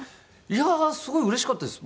いやあすごいうれしかったです